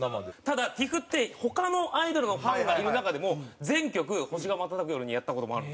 ただＴＩＦって他のアイドルのファンがいる中でも全曲『−星が瞬く夜に−』やった事もあるんですよ。